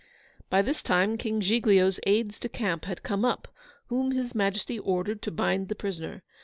By this time King Giglio's aides de camp had come up, whom His Majesty ordered to bind the prisoner.